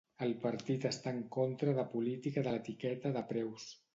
El partit està en contra de política de l'etiqueta de preus.